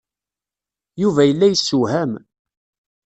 Yuba yella yesewham.